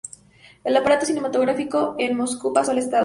El aparato cinematográfico en Moscú pasó al Estado.